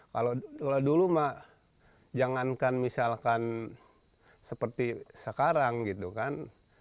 kalau dulu mah jangankan misalkan seperti sekarang gitu kan